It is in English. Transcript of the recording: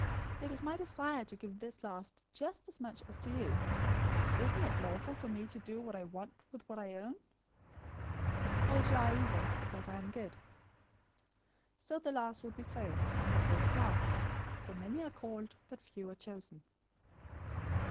It is my desire to give to this last just as much as to you. 020:015 Isn't it lawful for me to do what I want to with what I own? Or is your eye evil, because I am good?' 020:016 So the last will be first, and the first last. For many are called, but few are chosen."